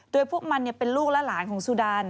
โดยพวกมันเป็นลูกและหลานของสุดาน